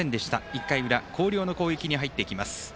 １回の裏広陵の攻撃に入ってきます。